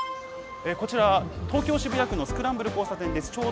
こちら東京・渋谷区のスクランブル交さ点です。